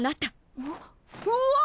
うわっ！